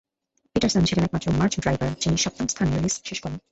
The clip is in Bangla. পিটারসন ছিলেন একমাত্র মার্চ ড্রাইভার যিনি সপ্তম স্থানে রেস শেষ করেন।